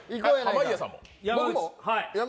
濱家さんも。